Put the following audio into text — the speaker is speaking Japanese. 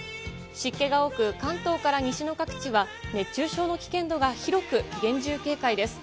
湿気が多く、関東から西の各地は熱中症の危険度が広く厳重警戒です。